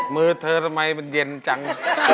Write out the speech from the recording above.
มือเธอทำไมมันเย็นจัง